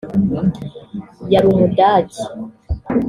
Yari umudage